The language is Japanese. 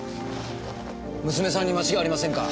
娘さんに間違いありませんか？